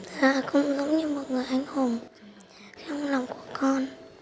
và cũng giống như một người anh hùng trong lòng của con